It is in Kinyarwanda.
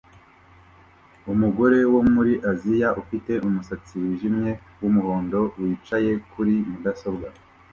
Umugore wo muri Aziya ufite umusatsi wijimye wumuhondo wicaye kuri mudasobwa